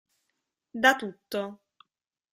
Da tutto.